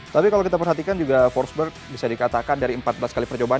tapi kalau kita perhatikan juga forceburg bisa dikatakan dari empat belas kali percobaan